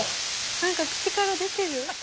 何か口から出てる。